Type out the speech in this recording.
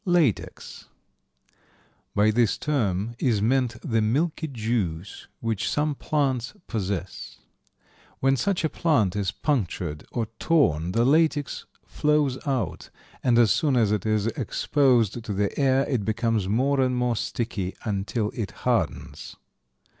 Latex. By this term is meant the milky juice which some plants possess. When such a plant is punctured or torn the latex flows out, and as soon as it is exposed to the air it becomes more and more sticky until it hardens.